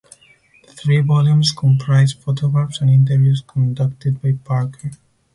The three volumes comprise photographs and interviews conducted by Parker.